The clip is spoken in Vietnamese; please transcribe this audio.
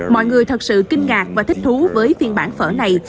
mọi người thật sự kinh ngạc và thích thú với phiên bản phở này